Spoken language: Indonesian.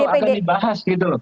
bahwa itu akan dibahas gitu